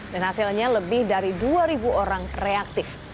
dan hasilnya lebih dari dua orang reaktif